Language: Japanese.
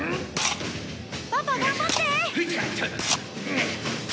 パパ頑張って！